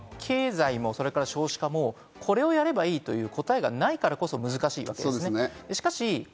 先程、言ったように経済も少子化もこれをやればいいという答えがないからこそ難しいわけです。